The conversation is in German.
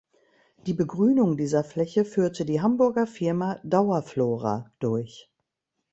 Die Begrünung dieser Fläche führte die Hamburger Firma Dauerflora durch.